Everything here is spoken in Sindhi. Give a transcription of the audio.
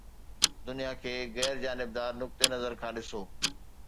دنيا کي غير جانبدار نقطي نظر کان ڏسو